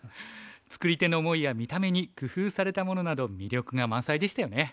つくり手の思いや見た目に工夫されたものなど魅力が満載でしたよね。